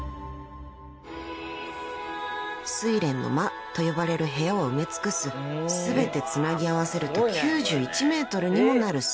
［睡蓮の間と呼ばれる部屋を埋め尽くす全てつなぎ合わせると９１ｍにもなる睡蓮の絵］